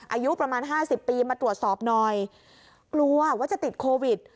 อายุประมาณห้าสิบปีมาตรวจสอบหน่อยกลัวว่าจะติดโควิด